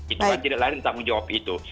itu kan tidak lari tanggung jawab itu